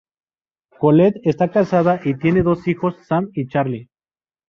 Colette está casada y tiene dos hijos, Sam y Charlie.